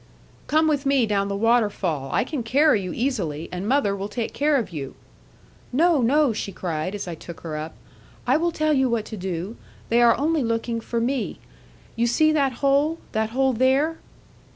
'Come with me down the waterfall. I can carry you easily; and mother will take care of you.' 'No, no,' she cried, as I took her up: 'I will tell you what to do. They are only looking for me. You see that hole, that hole there?'